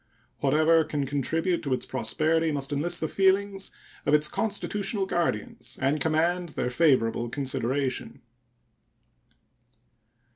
Whatever can contribute to its prosperity must enlist the feelings of its constitutional guardians and command their favorable consideration.